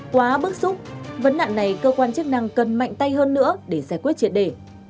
quá bức xúc vấn nạn này cơ quan chức năng cần mạnh tay hơn nữa để giải quyết triệt đề